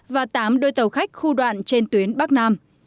và tám đôi tàu khách khu đoạn trên tuyến bắc nam